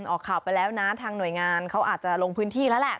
ออกข่าวไปแล้วนะทางหน่วยงานเขาอาจจะลงพื้นที่แล้วแหละ